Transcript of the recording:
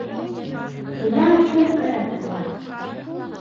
Бына кем кәрәк уға.